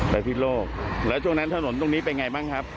ไปพิโลกแล้วช่วงนั้นถนนตรงนี้เป็นไงบ้างครับ